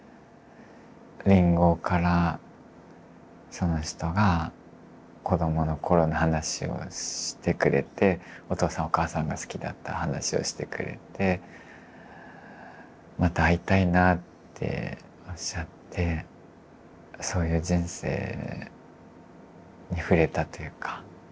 りんごからその人が子どもの頃の話をしてくれてお父さんお母さんが好きだった話をしてくれてまた会いたいなっておっしゃってそういう人生に触れたというか。